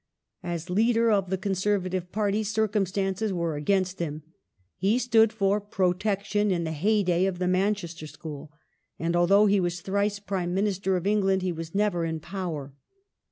As Leader of the Conservative Party circumstances were against him. He stood for " Protection " in the heyday of the Manchester School, and although he was thrice Prime Minister of England he was never in power.